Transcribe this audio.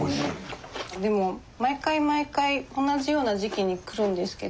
でも毎回毎回同じような時期に来るんですけど。